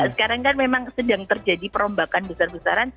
sekarang kan memang sedang terjadi perombakan besar besaran